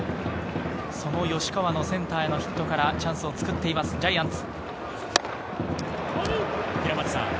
吉川のセンターへのヒットからチャンスをつくっています、ジャイアンツ。